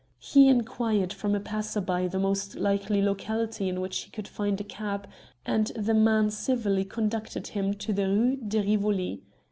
He inquired from a passer by the most likely locality in which he could find a cab, and the man civilly conducted him to the Rue de Rivoli.